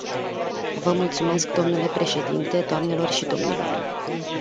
Vă mulțumesc dle președinte, doamnelor și domnilor.